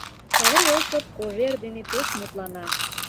Каврий Осып Кожер дене пеш мутлана.